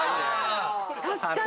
確かに！